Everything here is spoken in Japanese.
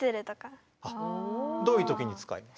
どういう時に使います？